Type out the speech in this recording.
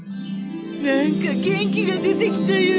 何か元気が出てきたよ！